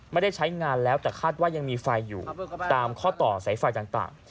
ไม่ได้ใช้งานแล้วแต่คาดว่ายังมีไฟอยู่ตามข้อต่อสายไฟต่าง